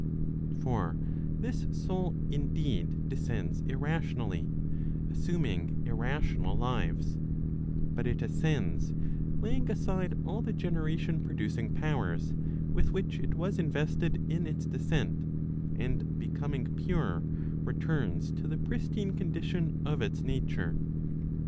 For this soul indeed descends irrationally, assuming irrational lives; but it ascends laying aside all the generation producing powers, with which it was invested iu its descent, and becoming [pure, returns to the pristine condition of its nature.